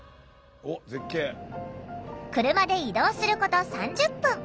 車で移動すること３０分。